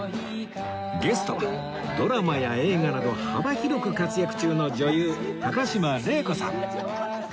ゲストはドラマや映画など幅広く活躍中の女優高島礼子さん